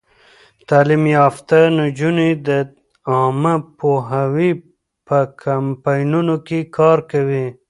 تعلیم یافته نجونې د عامه پوهاوي په کمپاینونو کې کار کوي.